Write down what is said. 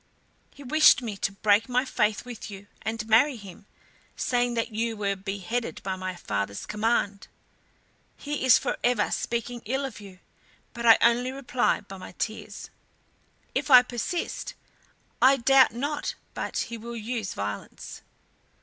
He wishes me to break my faith with you and marry him, saying that you were beheaded by my father's command. He is forever speaking ill of you, but I only reply by my tears. If I persist, I doubt not but he will use violence."